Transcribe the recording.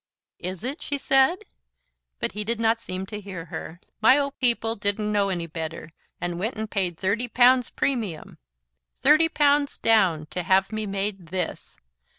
"Is it?" she said; but he did not seem to hear her. "My o' people didn't know any better, and went and paid thirty pounds premium thirty pounds down to have me made THIS.